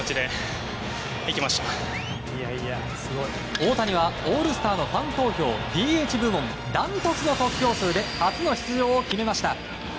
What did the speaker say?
大谷は、オールスターのファン投票ＤＨ部門ダントツの得票数で初の出場を決めました。